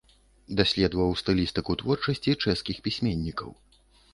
Даследаваў стылістыку творчасці чэшскіх пісьменнікаў.